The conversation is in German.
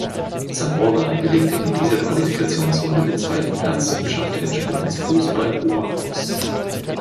Zamora belegte in dieser Qualifikationsrunde den zweiten Platz und schaffte den Sprung ins Fußballoberhaus.